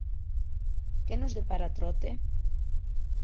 Que nos depara Trote?